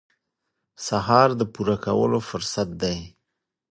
سهار د پوره کولو فرصت دی.